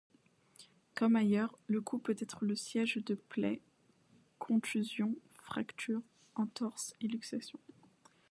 Comme ailleurs, le cou peut être le siège de plaie, contusion, fracture, entorse, luxation.